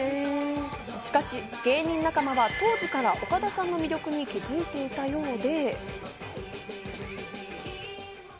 しかし芸人仲間は当時から岡田さんの魅力に気づいたようで。